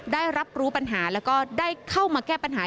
ได้รับรู้ปัญหาแล้วก็ได้เข้ามาแก้ปัญหา